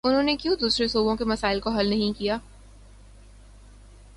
انہوں نے کیوں دوسرے صوبوں کے مسائل کو حل نہیں کیا؟